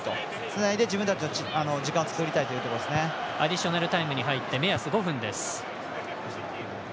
つないで自分たちの時間をアディショナルタイムに入って目安５分です。